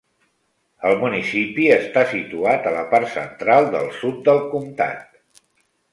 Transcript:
El municipi està situat a la part central del sud del comtat.